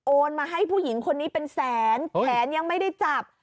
มาให้ผู้หญิงคนนี้เป็นแสนแขนยังไม่ได้จับ